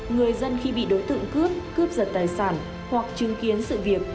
người dân khi bị đối tượng cướp cướp giật tài sản hoặc chứng kiến sự việc